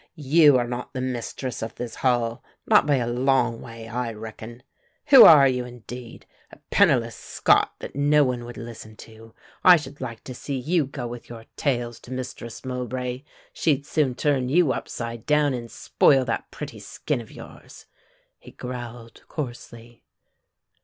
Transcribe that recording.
You are not the mistress of this Hall, not by a long way, I reckon. Who are you indeed? A penniless Scot that no one would listen to. I should like to see you go with your tales to Mistress Mowbray. She'd soon turn you upside down and spoil that pretty skin of yours," he growled coarsely.